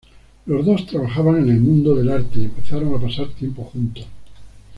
Los dos trabajaban en el mundo del arte y empezaron a pasar tiempo juntos.